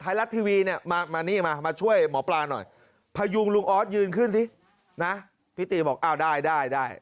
รัฐทีวีเนี่ยมานี่มามาช่วยหมอปลาหน่อยพยุงลุงออสยืนขึ้นสินะพี่ตีบอกอ้าวได้ได้